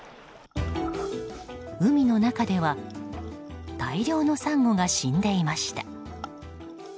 海の中では大量のサンゴが死んでいました。